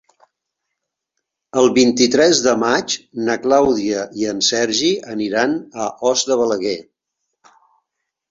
El vint-i-tres de maig na Clàudia i en Sergi aniran a Os de Balaguer.